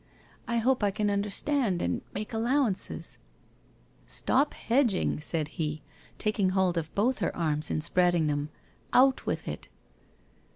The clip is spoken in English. I hope I can understand and make allowances '' Stop hedging/ said he, taking hold of both her arms and spreading them, * out with it